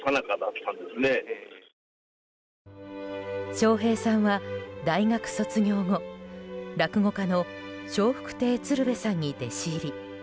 笑瓶さんは大学卒業後落語家の笑福亭鶴瓶さんに弟子入り。